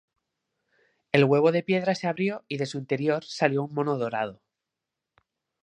El huevo de piedra se abrió y de su interior salió un mono dorado.